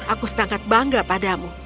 aku sangat bangga padamu